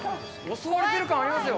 襲われてる感ありますよ。